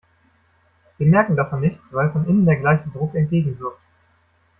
Wir merken davon nichts, weil von innen der gleiche Druck entgegenwirkt.